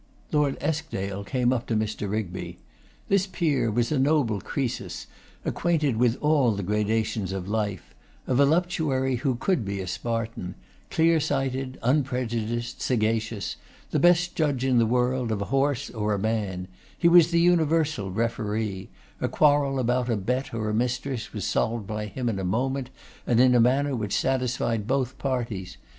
Lord Eskdale came up to Mr. Rigby. This peer was a noble Croesus, acquainted with all the gradations of life; a voluptuary who could be a Spartan; clear sighted, unprejudiced, sagacious; the best judge in the world of a horse or a man; he was the universal referee; a quarrel about a bet or a mistress was solved by him in a moment, and in a manner which satisfied both parties.